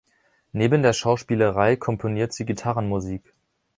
Neben der Schauspielerei komponiert sie Gitarrenmusik.